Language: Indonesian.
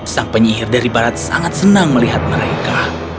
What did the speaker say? sang penyihir dari barat sangat senang melihat mereka